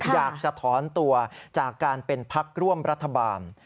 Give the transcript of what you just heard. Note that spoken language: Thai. อยากจะถอนตัวจากการเป็นพักร่วมรัฐบาล